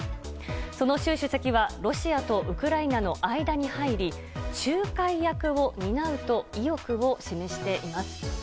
その習主席はロシアとウクライナの間に入り仲介役を担うと意欲を示しています。